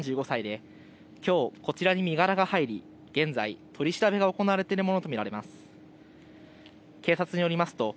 ３５歳できょう、こちらに身柄が入り現在、取り調べが行われているものと見られます。